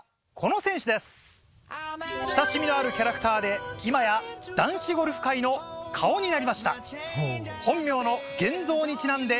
親しみのあるキャラクターで今や男子ゴルフ界の顔になりました。